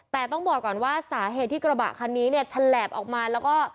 แต่ต้องบอกก่อนว่าสาเหตุที่กระบะคันนี้เนี่ยฉลาบออกมาแล้วก็